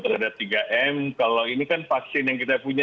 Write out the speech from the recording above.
karena tiga m kalau ini kan vaksin yang kita punya